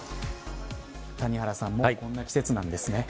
谷原さんもうこんな季節なんですね。